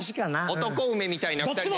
男梅みたいな２人で。